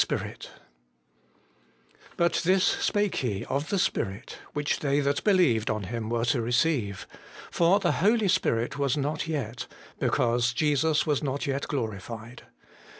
Spirit* ' But this spake He of the Spirit, which they that believed on Him were to receive : for the Holy Spirit was not yet : because Jesus was not yet glorified.'